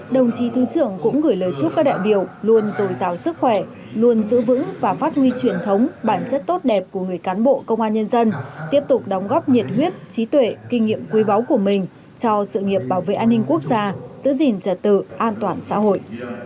đồng chí thứ trưởng cũng gửi lời chúc các đại biểu luôn dồi dào sức khỏe luôn giữ vững và phát huy truyền thống bản chất tốt đẹp của người cán bộ công an nhân dân tiếp tục đóng góp nhiệt huyết trí tuệ kinh nghiệm quý báu của mình cho sự nghiệp bảo vệ an ninh quốc gia giữ gìn trật tự an toàn xã hội